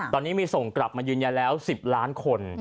ตอนนี้มีส่งกลับมายืนยันแล้ว๑๐ล้านคน